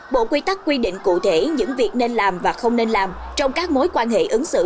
bộ quy tắc quy định cụ thể những việc nên làm và không nên làm trong các mối quan hệ ứng xử